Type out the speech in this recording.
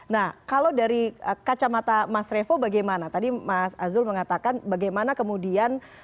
nah kalau dari kacamata mas revo bagaimana tadi mas azul mengatakan bagaimana kemudian